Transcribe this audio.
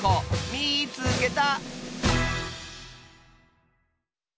「みいつけた！」。